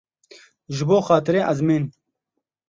Ji bo xatirê ezmên.